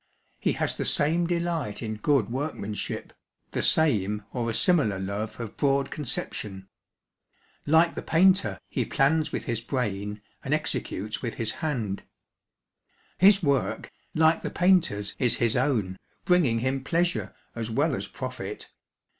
He has the same delight in good workmanship, the same or a similar love of broad conception. Like the painter, he plans with his brain and executes with his hand. His work, like the painter's, is his own, bringing him pleasure as well as profit.